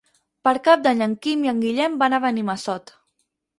Per Cap d'Any en Quim i en Guillem van a Benimassot.